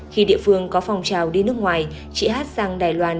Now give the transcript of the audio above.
khi địa phương có phong trào đi nước ngoài chị hát sang đài loan